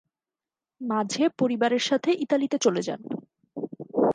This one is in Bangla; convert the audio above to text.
মাঝে পরিবারের সাথে ইতালিতে চলে যান।